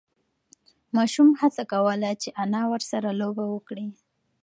ماشوم هڅه کوله چې انا ورسره لوبه وکړي.